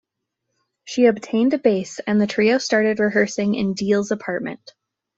She obtained a bass, and the trio started rehearsing in Deal's apartment.